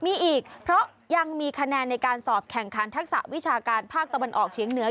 มีอีกเพราะยังมีคะแนนในการสอบแข่งขันทักษะวิชาการภาคตะวันออกเฉียงเหนือ